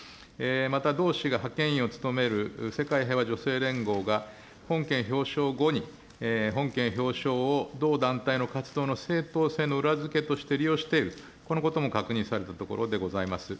また同氏が派遣員を務める世界平和女性連合が、本件表彰後に、本件表彰を同団体の活動の正当性の裏付けとして利用している、このことも確認されたところでございます。